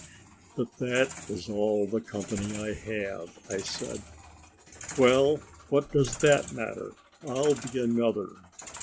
"But that is all the company I have," I said. "Well, what does that matter? I'll be another.